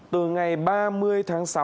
từ ngày ba mươi tháng sáu